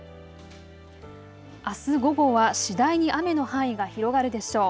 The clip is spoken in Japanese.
あす午後は次第に雨の範囲が広がるでしょう。